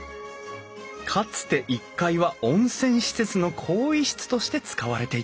かつて１階は温泉施設の更衣室として使われていた。